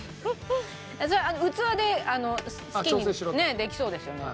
それは器で好きにできそうですよね。